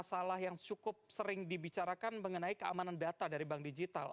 masalah yang cukup sering dibicarakan mengenai keamanan data dari bank digital